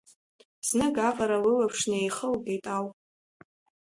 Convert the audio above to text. Знык аҟара лылаԥш неихылгеит ауп.